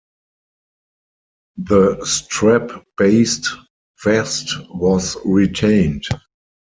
The strap based vest was retained.